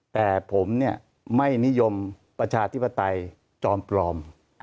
แต่ผมไม่นิยมประชาธิปไตยจอมปลอม